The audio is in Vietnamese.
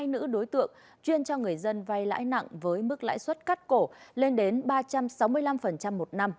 hai nữ đối tượng chuyên cho người dân vay lãi nặng với mức lãi suất cắt cổ lên đến ba trăm sáu mươi năm một năm